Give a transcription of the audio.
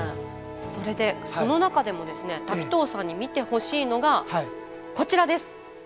それでその中でもですね滝藤さんに見てほしいのがこちらです。